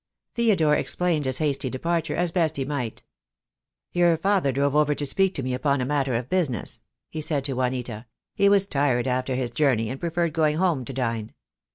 Theodore explained his hasty departure as best he might. "Your father drove over to speak to me upon a matter of business," he said to Juanita. "He was tired after his journey, and preferred going home to dine."